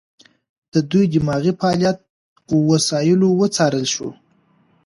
د دوی دماغي فعالیت وسایلو وڅارل شو.